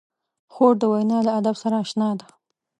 خور د وینا له ادب سره اشنا ده.